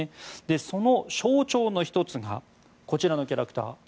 その象徴の１つがこちらのキャラクター。